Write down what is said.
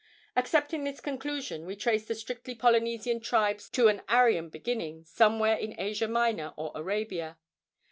Accepting this conclusion, we trace the strictly Polynesian tribes to an Aryan beginning, somewhere in Asia Minor or Arabia.